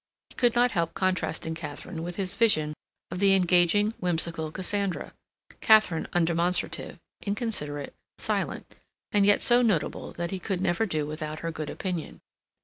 He could not help contrasting Katharine with his vision of the engaging, whimsical Cassandra; Katharine undemonstrative, inconsiderate, silent, and yet so notable that he could never do without her good opinion.